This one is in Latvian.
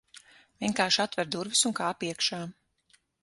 Vienkārši atver durvis, un kāp iekšā.